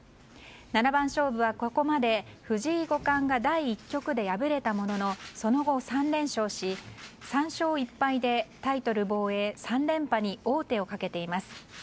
七番勝負はここまで藤井五冠が第１局で敗れたもののその後、３連勝し３勝１敗でタイトル防衛３連覇に王手をかけています。